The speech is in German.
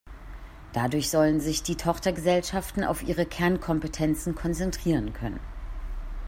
Dadurch sollen sich die Tochtergesellschaften auf ihre Kernkompetenzen konzentrieren können.